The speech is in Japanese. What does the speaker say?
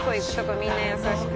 みんな優しくて。